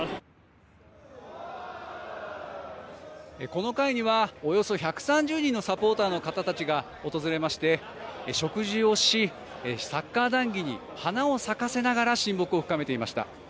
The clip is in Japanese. この会にはおよそ１３０人のサポーターの方たちが訪れまして、食事をしサッカー談議に花を咲かせながら親睦を深めていました。